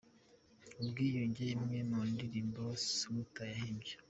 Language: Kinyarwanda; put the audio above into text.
Ubwiyunge, imwe mu ndirimbo Samputu yahimbye :.